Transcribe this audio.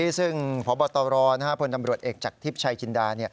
ที่ซึ่งพบตรนะครับผลดำรวจเอกจากทิพย์ชัยจินดา